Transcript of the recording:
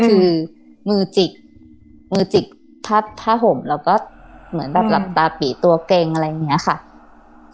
คือมือจิกมือจิกผ้าห่มแล้วก็เหมือนแบบหลับตาปีตัวเก่งอะไรอย่างนี้ค่ะ